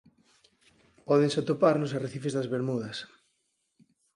Pódense atopar nos arrecifes das Bermudas.